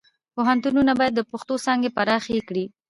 پوهنتونونه باید د پښتو څانګې پراخې کړي.